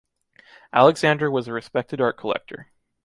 Alexander was a respected art collector.